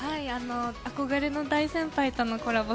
憧れの大先輩とのコラボ